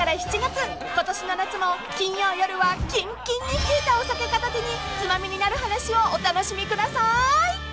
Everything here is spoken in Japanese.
［今年の夏も金曜夜はキンキンに冷えたお酒片手に『ツマミになる話』をお楽しみください］